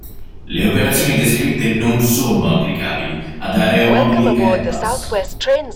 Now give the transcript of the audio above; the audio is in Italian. Le operazioni descritte non sono applicabili ad aeromobili Airbus.